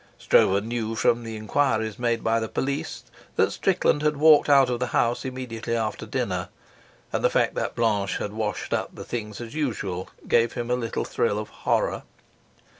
Stroeve knew from the enquiries made by the police that Strickland had walked out of the house immediately after dinner, and the fact that Blanche had washed up the things as usual gave him a little thrill of horror.